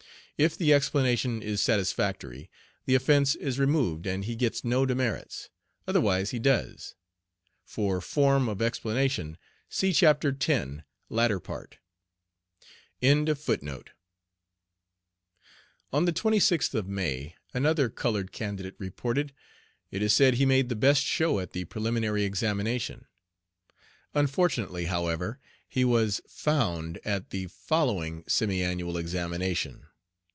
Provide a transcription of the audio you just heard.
If the explanation is satisfactory, the offence is removed and he gets no demerits, otherwise he does. For form of explanation see Chapter X., latter part. On the 26th of May, another colored candidate reported. It is said he made the best show at the preliminary examination. Unfortunately, however, he was "found" at the following semi annual examination.